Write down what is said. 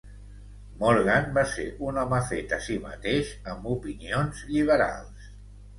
Morgan va ser un home fet a si mateix amb opinions lliberals.